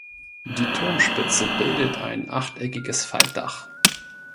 Die Turmspitze bildet ein achteckiges Faltdach.